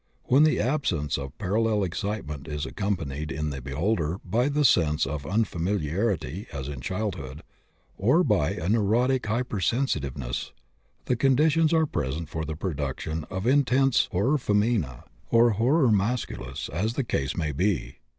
When the absence of parallel excitement is accompanied in the beholder by the sense of unfamiliarity as in childhood, or by a neurotic hypersensitiveness, the conditions are present for the production of intense horror feminæ or horror masculis, as the case may be.